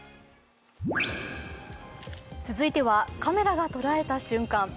続いてはカメラが捉えた瞬間。